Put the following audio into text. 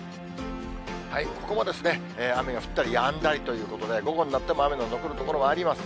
ここも雨が降ったりやんだりということで、午後になっても雨の残る所もあります。